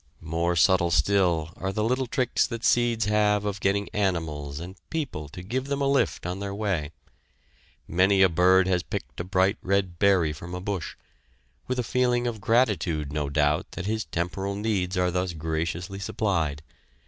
More subtle still are the little tricks that seeds have of getting animals and people to give them a lift on their way. Many a bird has picked a bright red berry from a bush, with a feeling of gratitude, no doubt, that his temporal needs are thus graciously supplied.